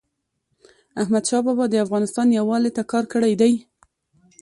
احمدشاه بابا د افغانستان یووالي ته کار کړی دی.